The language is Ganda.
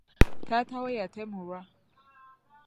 Taata we yatemulwa.